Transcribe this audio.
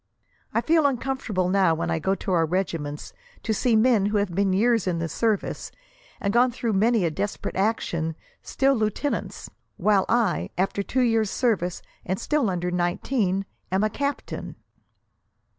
I feel uncomfortable now when I go to our regiments, to see men who have been years in the service, and gone through many a desperate action, still lieutenants; while I, after two years' service, and still under nineteen, am a captain."